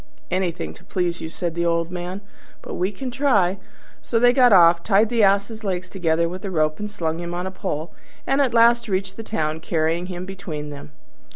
"Anything to please you," said the old man, "we can but try." So they got off, tied the Ass's legs together with a rope and slung him on a pole, and at last reached the town, carrying him between them.